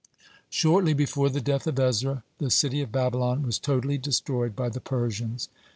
Shortly before the death of Ezra, the city of Babylon was totally destroyed by the Persians.